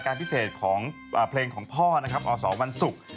พิเศษของเพลงของพ่อนะครับอสวันศุกร์